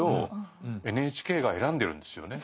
ＮＨＫが選んでるんですよね。